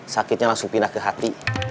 sakitnya langsung pindah ke hati